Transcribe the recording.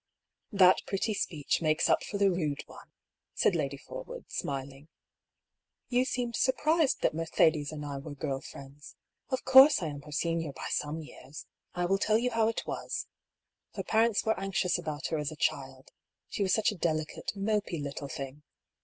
" That pretty speech makes up for the rude one," said Lady Forwood, smiling. " You seemed surprised that Mercedes and I were girl friends. Of course I am her senior by some years. I will tell you how it was. Her parents were anxious about her as a child, she was such a delicate, mopy little thing.